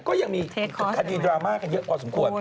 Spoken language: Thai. ก็ยังมีคดีดราม่ากันเยอะพอสมควร